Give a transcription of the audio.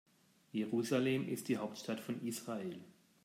Jerusalem ist die Hauptstadt von Israel.